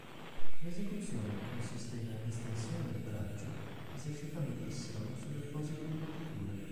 L'esecuzione consiste in un’"estensione" del braccio esercitando pressione sulle apposite imbottiture.